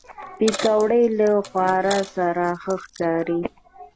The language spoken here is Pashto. پکورې له هوار سره ښه ښکاري